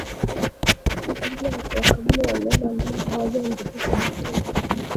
kabla ya kuwakamua wanyama ambao hawajaambukizwa Bakteria